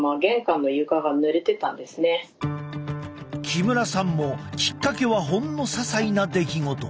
木村さんもきっかけはほんのささいな出来事。